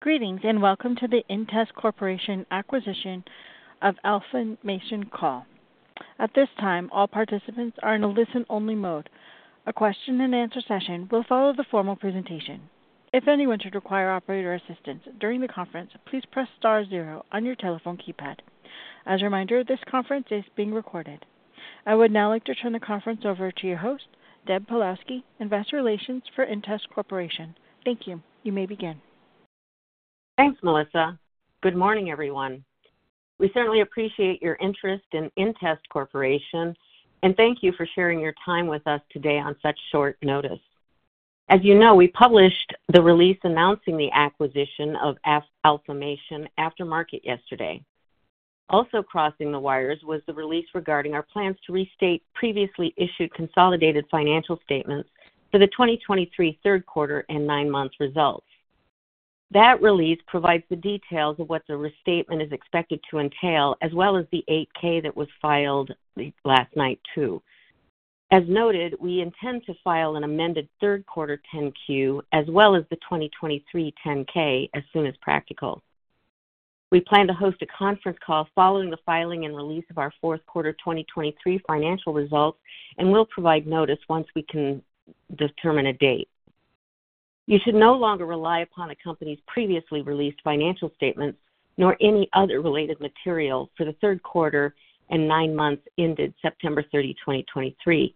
Greetings and welcome to the inTEST Corporation acquisition of Alfamation. At this time, all participants are in a listen-only mode. A question-and-answer session will follow the formal presentation. If anyone should require operator assistance during the conference, please press star zero on your telephone keypad. As a reminder, this conference is being recorded. I would now like to turn the conference over to your host, Deb Pawlowski, Investor Relations for inTEST Corporation. Thank you. You may begin. Thanks, Melissa. Good morning, everyone. We certainly appreciate your interest in inTEST Corporation, and thank you for sharing your time with us today on such short notice. As you know, we published the release announcing the acquisition of Alfamation after market yesterday. Also crossing the wires was the release regarding our plans to restate previously issued consolidated financial statements for the 2023 third quarter and nine-month results. That release provides the details of what the restatement is expected to entail, as well as the 8-K that was filed last night, too. As noted, we intend to file an amended third quarter 10-Q as well as the 2023 10-K as soon as practical. We plan to host a conference call following the filing and release of our fourth quarter 2023 financial results, and we'll provide notice once we can determine a date. You should no longer rely upon a company's previously released financial statements nor any other related material for the third quarter and nine months ended September 30, 2023.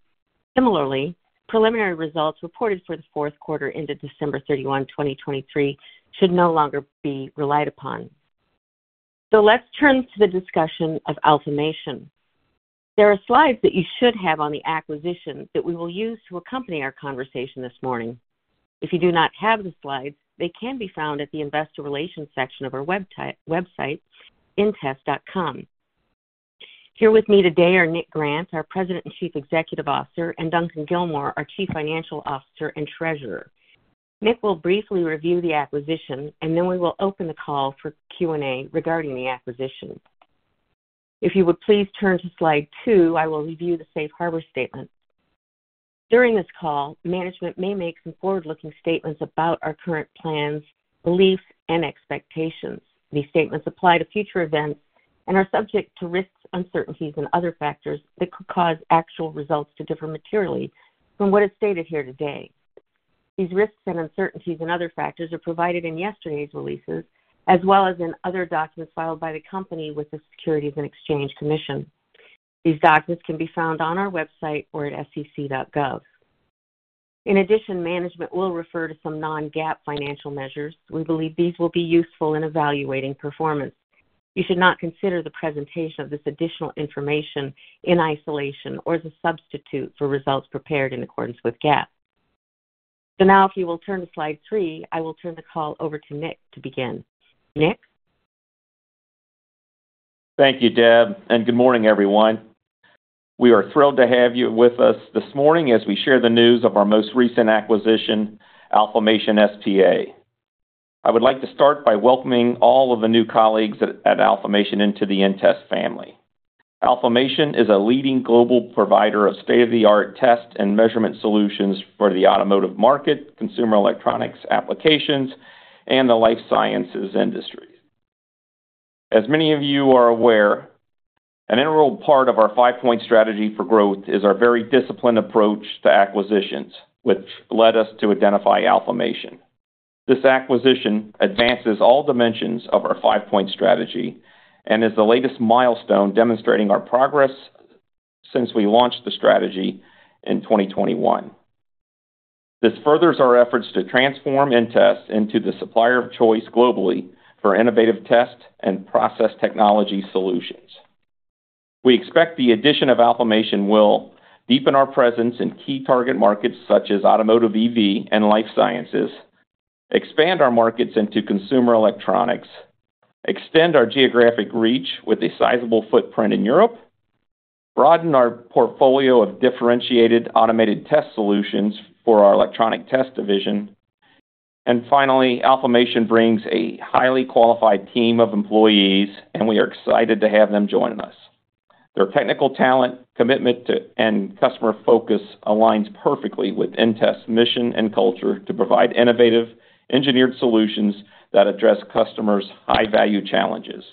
Similarly, preliminary results reported for the fourth quarter ended December 31, 2023, should no longer be relied upon. Let's turn to the discussion of Alfamation. There are slides that you should have on the acquisition that we will use to accompany our conversation this morning. If you do not have the slides, they can be found at the Investor Relations section of our website, intest.com. Here with me today are Nick Grant, our President and Chief Executive Officer, and Duncan Gilmour, our Chief Financial Officer and Treasurer. Nick will briefly review the acquisition, and then we will open the call for Q&A regarding the acquisition. If you would please turn to slide two, I will review the safe harbor statements. During this call, management may make some forward-looking statements about our current plans, beliefs, and expectations. These statements apply to future events and are subject to risks, uncertainties, and other factors that could cause actual results to differ materially from what is stated here today. These risks and uncertainties and other factors are provided in yesterday's releases, as well as in other documents filed by the company with the Securities and Exchange Commission. These documents can be found on our website or at sec.gov. In addition, management will refer to some non-GAAP financial measures. We believe these will be useful in evaluating performance. You should not consider the presentation of this additional information in isolation or as a substitute for results prepared in accordance with GAAP. So now, if you will turn to slide three, I will turn the call over to Nick to begin. Nick? Thank you, Deb, and good morning, everyone. We are thrilled to have you with us this morning as we share the news of our most recent acquisition, Alfamation S.p.A. I would like to start by welcoming all of the new colleagues at Alfamation into the inTEST family. Alfamation is a leading global provider of state-of-the-art test and measurement solutions for the automotive market, consumer electronics applications, and the life sciences industries. As many of you are aware, an integral part of our five-point strategy for growth is our very disciplined approach to acquisitions, which led us to identify Alfamation. This acquisition advances all dimensions of our five-point strategy and is the latest milestone demonstrating our progress since we launched the strategy in 2021. This furthers our efforts to transform inTEST into the supplier of choice globally for innovative test and process technology solutions. We expect the addition of Alfamation will deepen our presence in key target markets such as automotive EV and life sciences, expand our markets into consumer electronics, extend our geographic reach with a sizable footprint in Europe, broaden our portfolio of differentiated automated test solutions for our electronic test division, and finally, Alfamation brings a highly qualified team of employees, and we are excited to have them join us. Their technical talent, commitment, and customer focus align perfectly with inTEST's mission and culture to provide innovative, engineered solutions that address customers' high-value challenges.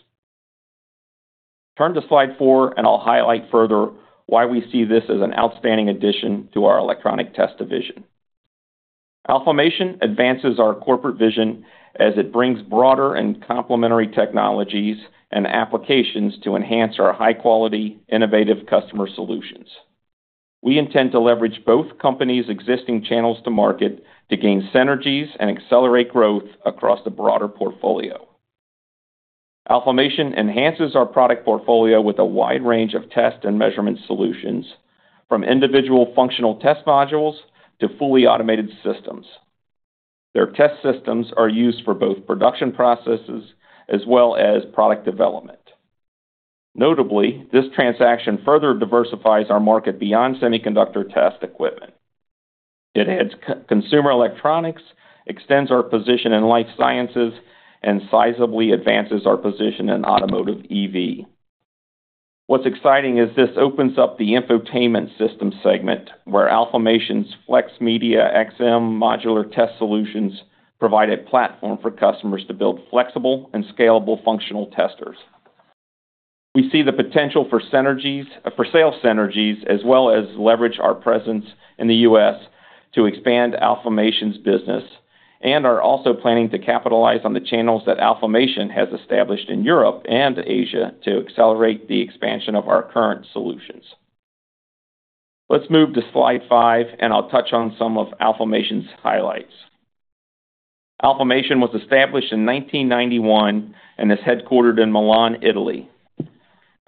Turn to slide four, and I'll highlight further why we see this as an outstanding addition to our electronic test division. Alfamation advances our corporate vision as it brings broader and complementary technologies and applications to enhance our high-quality, innovative customer solutions. We intend to leverage both companies' existing channels to market to gain synergies and accelerate growth across the broader portfolio. Alfamation enhances our product portfolio with a wide range of test and measurement solutions, from individual functional test modules to fully automated systems. Their test systems are used for both production processes as well as product development. Notably, this transaction further diversifies our market beyond semiconductor test equipment. It adds consumer electronics, extends our position in life sciences, and sizably advances our position in automotive EV. What's exciting is this opens up the infotainment system segment, where Alfamation's Flexmedia XM modular test solutions provide a platform for customers to build flexible and scalable functional testers. We see the potential for sales synergies as well as leverage our presence in the U.S. to expand Alfamation's business, and are also planning to capitalize on the channels that Alfamation has established in Europe and Asia to accelerate the expansion of our current solutions. Let's move to slide five, and I'll touch on some of Alfamation's highlights. Alfamation was established in 1991 and is headquartered in Milan, Italy.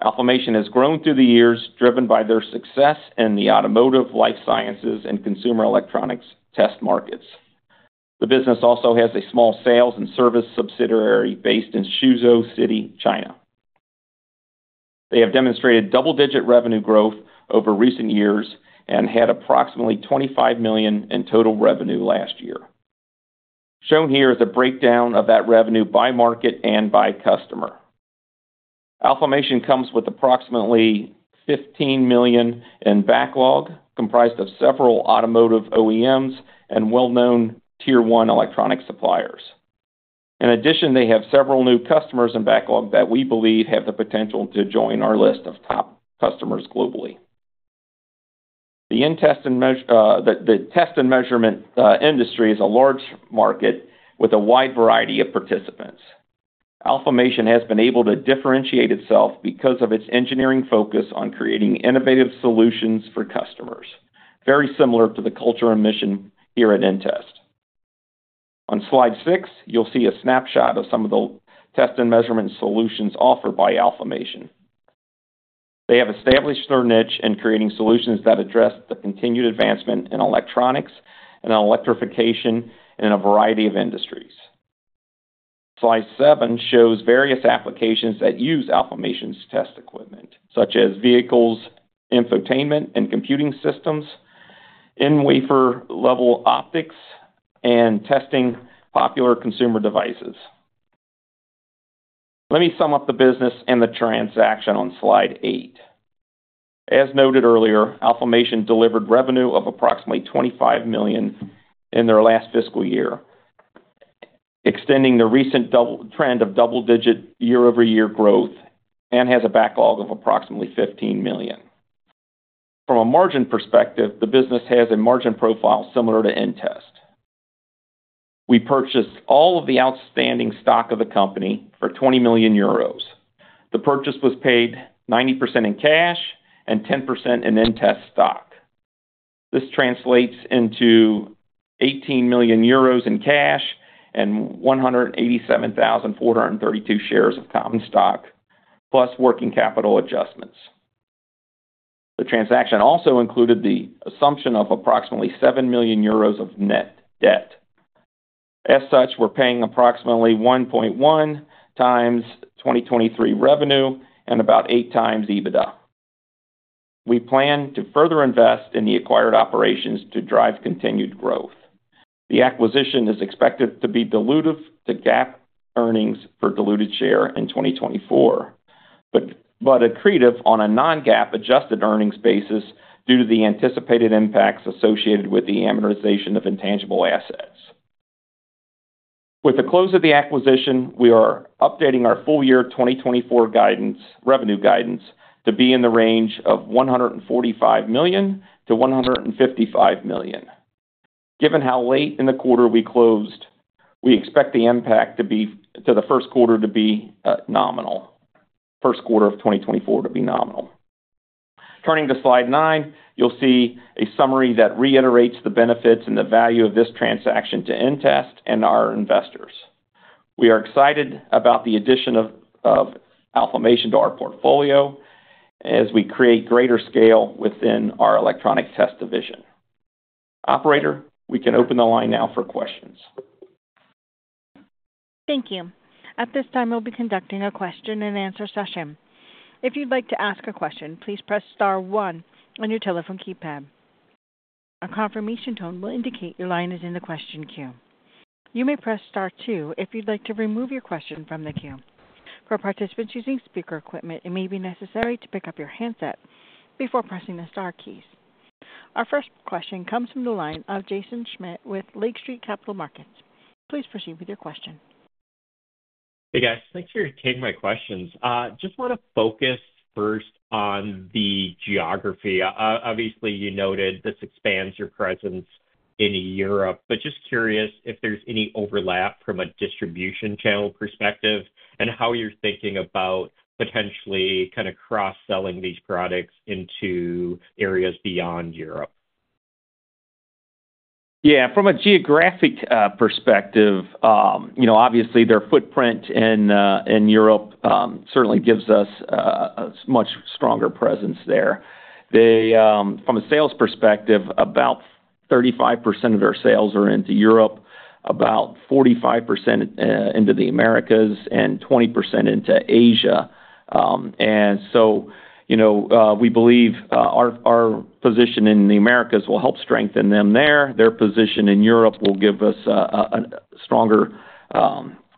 Alfamation has grown through the years, driven by their success in the automotive, life sciences, and consumer electronics test markets. The business also has a small sales and service subsidiary based in Suzhou City, China. They have demonstrated double-digit revenue growth over recent years and had approximately 25 million in total revenue last year. Shown here is a breakdown of that revenue by market and by customer. Alfamation comes with approximately $15 million in backlog, comprised of several automotive OEMs and well-known tier-one electronic suppliers. In addition, they have several new customers in backlog that we believe have the potential to join our list of top customers globally. The test and measurement industry is a large market with a wide variety of participants. Alfamation has been able to differentiate itself because of its engineering focus on creating innovative solutions for customers, very similar to the culture and mission here at inTEST. On slide six, you'll see a snapshot of some of the test and measurement solutions offered by Alfamation. They have established their niche in creating solutions that address the continued advancement in electronics and electrification in a variety of industries. Slide seven shows various applications that use Alfamation's test equipment, such as vehicles, infotainment and computing systems, wafer-level optics, and testing popular consumer devices. Let me sum up the business and the transaction on slide eight. As noted earlier, Alfamation delivered revenue of approximately 25 million in their last fiscal year, extending the recent trend of double-digit year-over-year growth, and has a backlog of approximately 15 million. From a margin perspective, the business has a margin profile similar to inTEST. We purchased all of the outstanding stock of the company for 20 million euros. The purchase was paid 90% in cash and 10% in inTEST stock. This translates into 18 million euros in cash and 187,432 shares of common stock, plus working capital adjustments. The transaction also included the assumption of approximately 7 million euros of net debt. As such, we're paying approximately 1.1x 2023 revenue and about 8x EBITDA. We plan to further invest in the acquired operations to drive continued growth. The acquisition is expected to be dilutive to GAAP earnings per diluted share in 2024, but accretive on a non-GAAP adjusted earnings basis due to the anticipated impacts associated with the amortization of intangible assets. With the close of the acquisition, we are updating our full-year 2024 revenue guidance to be in the range of $145 million-$155 million. Given how late in the quarter we closed, we expect the impact to be to the first quarter to be nominal, first quarter of 2024 to be nominal. Turning to slide nine, you'll see a summary that reiterates the benefits and the value of this transaction to inTEST and our investors. We are excited about the addition of Alfamation to our portfolio as we create greater scale within our electronic test division. Operator, we can open the line now for questions. Thank you. At this time, we'll be conducting a question-and-answer session. If you'd like to ask a question, please press star one on your telephone keypad. A confirmation tone will indicate your line is in the question queue. You may press star two if you'd like to remove your question from the queue. For participants using speaker equipment, it may be necessary to pick up your handset before pressing the star keys. Our first question comes from the line of Jaeson Schmidt with Lake Street Capital Markets. Please proceed with your question. Hey, guys. Thanks for taking my questions. Just want to focus first on the geography. Obviously, you noted this expands your presence in Europe, but just curious if there's any overlap from a distribution channel perspective and how you're thinking about potentially kind of cross-selling these products into areas beyond Europe? Yeah. From a geographic perspective, obviously, their footprint in Europe certainly gives us a much stronger presence there. From a sales perspective, about 35% of their sales are into Europe, about 45% into the Americas, and 20% into Asia. So we believe our position in the Americas will help strengthen them there. Their position in Europe will give us a stronger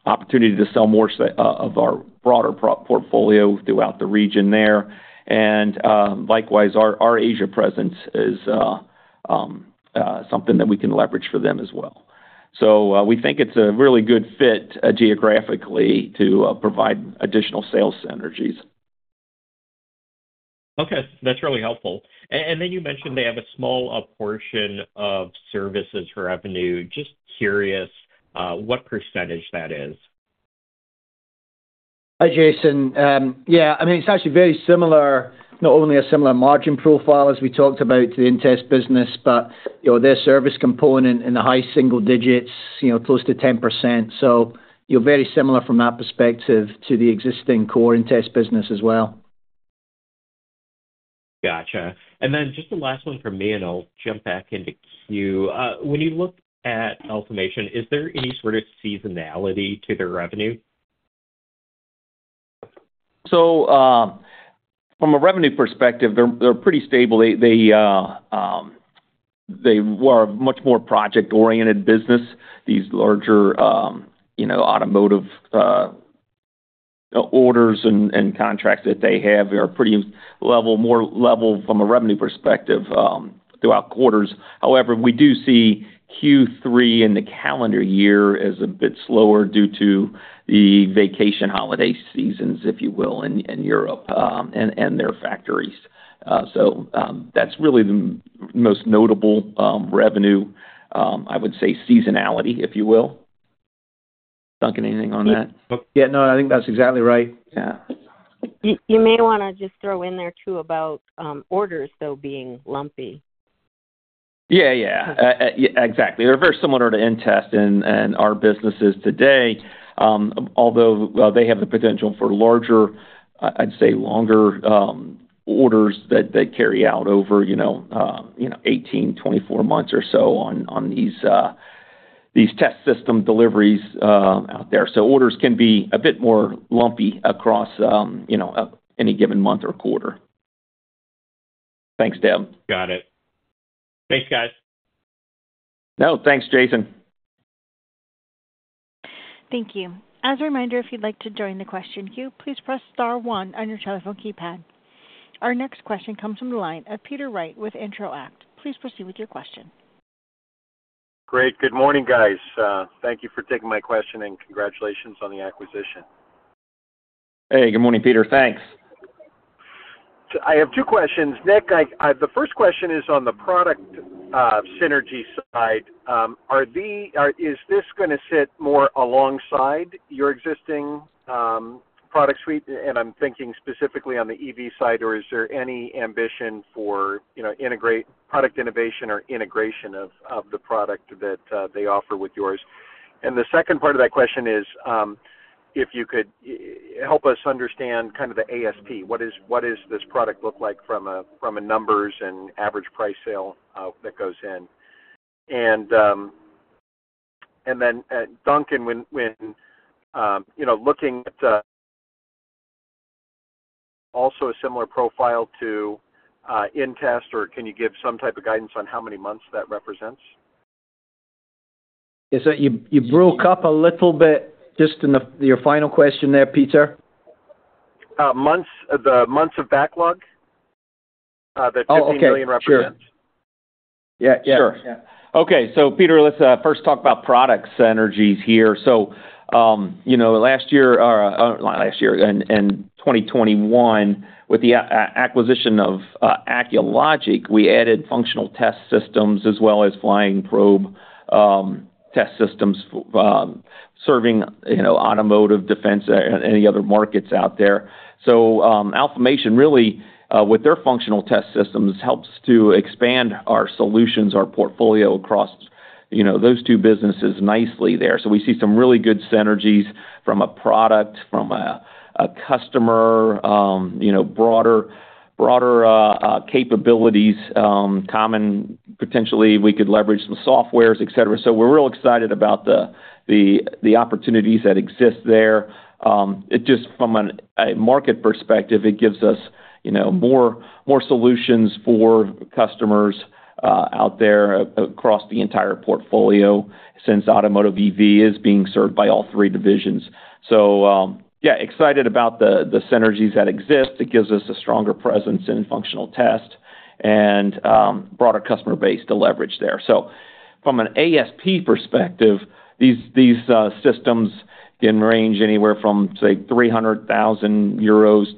opportunity to sell more of our broader portfolio throughout the region there. Likewise, our Asia presence is something that we can leverage for them as well. So we think it's a really good fit geographically to provide additional sales synergies. Okay. That's really helpful. And then you mentioned they have a small portion of services for revenue. Just curious what percentage that is? Hi, Jaeson. Yeah. I mean, it's actually very similar, not only a similar margin profile as we talked about to the inTEST business, but their service component in the high single digits, close to 10%. So very similar from that perspective to the existing core inTEST business as well. Gotcha. And then just the last one for me, and I'll jump back into queue. When you look at Alfamation, is there any sort of seasonality to their revenue? So from a revenue perspective, they're pretty stable. They are a much more project-oriented business. These larger automotive orders and contracts that they have are pretty level, more level from a revenue perspective throughout quarters. However, we do see Q3 in the calendar year as a bit slower due to the vacation holiday seasons, if you will, in Europe and their factories. So that's really the most notable revenue, I would say, seasonality, if you will. Duncan, anything on that? Yeah. No, I think that's exactly right. Yeah. You may want to just throw in there too about orders, though, being lumpy. Yeah, yeah. Exactly. They're very similar to inTEST and our businesses today, although they have the potential for larger, I'd say, longer orders that carry out over 18 months-24 months or so on these test system deliveries out there. So orders can be a bit more lumpy across any given month or quarter. Thanks, Deb. Got it. Thanks, guys. No, thanks, Jaeson. Thank you. As a reminder, if you'd like to join the question queue, please press star one on your telephone keypad. Our next question comes from the line of Peter Wright with Intro-act. Please proceed with your question. Great. Good morning, guys. Thank you for taking my question, and congratulations on the acquisition. Hey. Good morning, Peter. Thanks. I have two questions. Nick, the first question is on the product synergy side. Is this going to sit more alongside your existing product suite? And I'm thinking specifically on the EV side, or is there any ambition for product innovation or integration of the product that they offer with yours? And the second part of that question is if you could help us understand kind of the ASP. What does this product look like from a numbers and average price sale that goes in? And then, Duncan, when looking at also a similar profile to inTEST, or can you give some type of guidance on how many months that represents? You broke up a little bit just in your final question there, Peter. The months of backlog that $15 million represents? Oh, okay. Sure. Yeah, yeah. Okay. So, Peter, let's first talk about product synergies here. So last year or not last year, in 2021, with the acquisition of Acculogic, we added functional test systems as well as flying probe test systems serving automotive, defense, and any other markets out there. So Alfamation, really, with their functional test systems, helps to expand our solutions, our portfolio across those two businesses nicely there. So we see some really good synergies from a product, from a customer, broader capabilities, common, potentially, we could leverage some softwares, etc. So we're really excited about the opportunities that exist there. Just from a market perspective, it gives us more solutions for customers out there across the entire portfolio since automotive EV is being served by all three divisions. So, yeah, excited about the synergies that exist. It gives us a stronger presence in functional test and broader customer base to leverage there. So from an ASP perspective, these systems can range anywhere from, say, 300,000-500,000 euros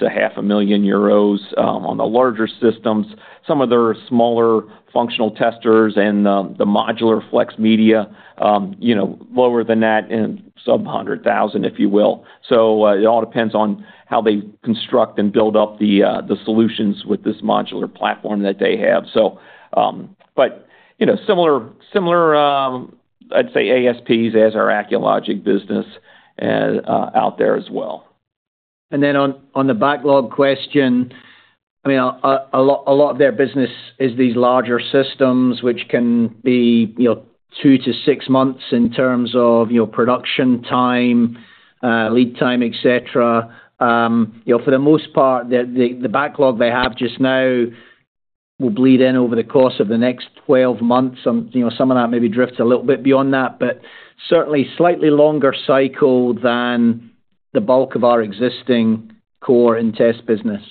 on the larger systems. Some of their smaller functional testers and the modular Flexmedia, lower than that and sub-EUR 100,000, if you will. So it all depends on how they construct and build up the solutions with this modular platform that they have. But similar, I'd say, ASPs as our Acculogic business out there as well. And then on the backlog question, I mean, a lot of their business is these larger systems, which can be two to six months in terms of production time, lead time, etc. For the most part, the backlog they have just now will bleed in over the course of the next 12 months. Some of that maybe drifts a little bit beyond that, but certainly slightly longer cycle than the bulk of our existing core inTEST business.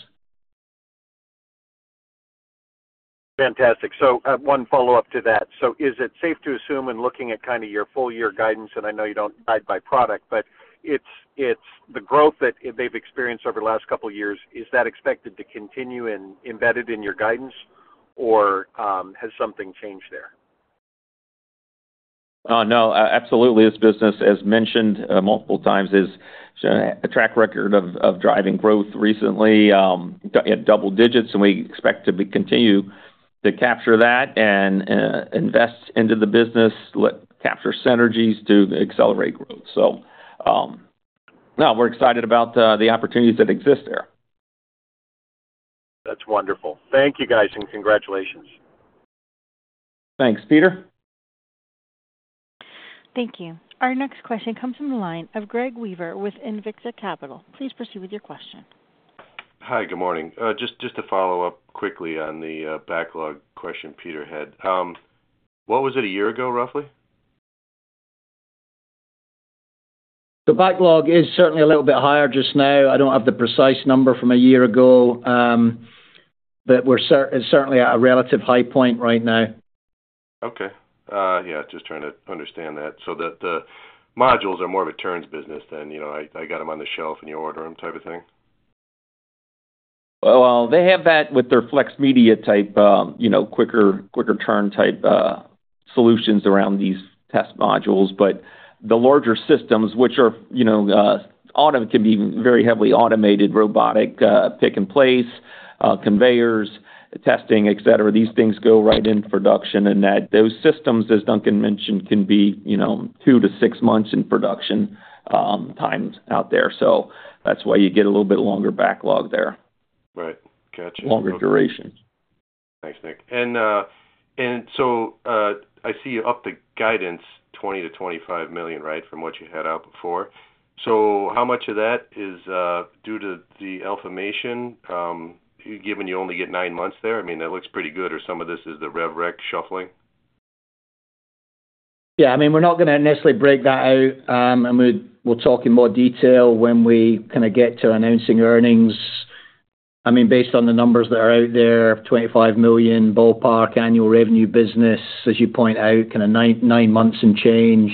Fantastic. So one follow-up to that. So is it safe to assume when looking at kind of your full-year guidance, and I know you don't guide by product, but the growth that they've experienced over the last couple of years, is that expected to continue embedded in your guidance, or has something changed there? Oh, no. Absolutely. This business, as mentioned multiple times, has a track record of driving growth recently at double digits, and we expect to continue to capture that and invest into the business, capture synergies to accelerate growth. So no, we're excited about the opportunities that exist there. That's wonderful. Thank you, guys, and congratulations. Thanks, Peter. Thank you. Our next question comes from the line of Greg Weaver with Invicta Capital. Please proceed with your question. Hi. Good morning. Just to follow up quickly on the backlog question Peter had. What was it a year ago, roughly? The backlog is certainly a little bit higher just now. I don't have the precise number from a year ago, but it's certainly at a relative high point right now. Okay. Yeah. Just trying to understand that. So the modules are more of a turn business than I got them on the shelf in your order room type of thing? Well, they have that with their Flexmedia-type, quicker-turn-type solutions around these test modules. But the larger systems, which can be very heavily automated, robotic, pick and place, conveyors, testing, etc., these things go right in production. And those systems, as Duncan mentioned, can be two months to six months in production times out there. So that's why you get a little bit longer backlog there, longer duration. Right. Gotcha. Thanks, Nick. And so I see up the guidance $20 million-$25 million, right, from what you had out before. So how much of that is due to the Alfamation, given you only get nine months there? I mean, that looks pretty good, or some of this is the rev rec shuffling? Yeah. I mean, we're not going to necessarily break that out. We'll talk in more detail when we kind of get to announcing earnings. I mean, based on the numbers that are out there, $25 million ballpark annual revenue business, as you point out, kind of nine months and change.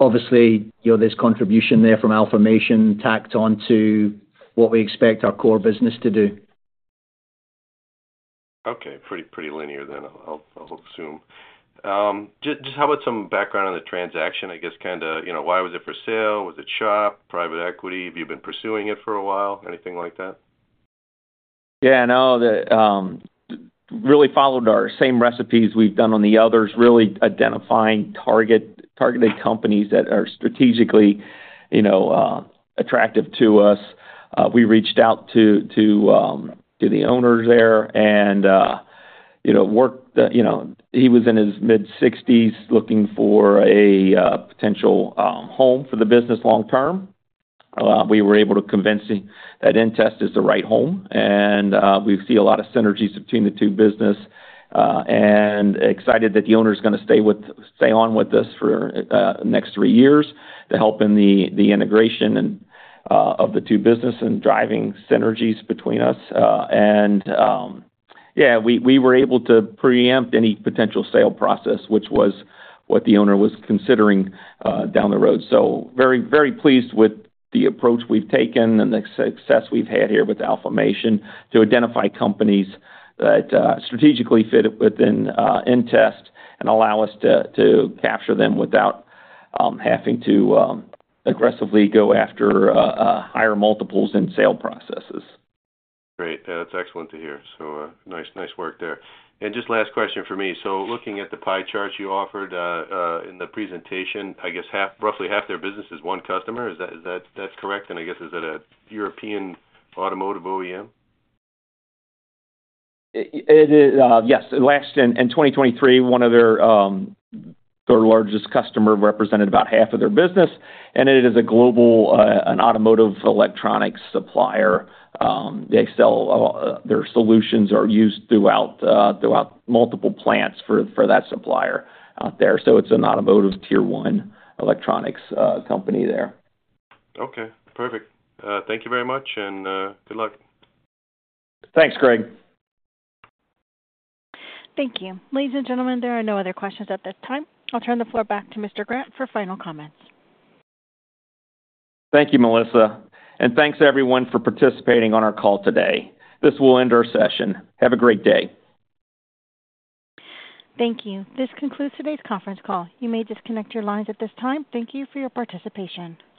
Obviously, there's contribution there from Alfamation tacked onto what we expect our core business to do. Okay. Pretty linear then, I'll assume. Just how about some background on the transaction, I guess, kind of why was it for sale? Was it shop, private equity? Have you been pursuing it for a while? Anything like that? Yeah. No, really followed our same recipes we've done on the others, really identifying targeted companies that are strategically attractive to us. We reached out to the owners there and worked. He was in his mid-60s looking for a potential home for the business long term. We were able to convince him that inTEST is the right home. And we see a lot of synergies between the two businesses and excited that the owner is going to stay on with us for the next three years to help in the integration of the two businesses and driving synergies between us. And yeah, we were able to preempt any potential sale process, which was what the owner was considering down the road. So very, very pleased with the approach we've taken and the success we've had here with Alfamation to identify companies that strategically fit within inTEST and allow us to capture them without having to aggressively go after higher multiples in sale processes. Great. That's excellent to hear. So nice work there. And just last question for me. So looking at the pie chart you offered in the presentation, I guess roughly half their business is one customer. Is that correct? And I guess is it a European automotive OEM? Yes. Last in 2023, one of their third largest customers represented about half of their business. It is a global automotive electronics supplier. Their solutions are used throughout multiple plants for that supplier out there. It's an automotive tier-one electronics company there. Okay. Perfect. Thank you very much, and good luck. Thanks, Greg. Thank you. Ladies and gentlemen, there are no other questions at this time. I'll turn the floor back to Mr. Grant for final comments. Thank you, Melissa. Thanks, everyone, for participating on our call today. This will end our session. Have a great day. Thank you. This concludes today's conference call. You may disconnect your lines at this time. Thank you for your participation.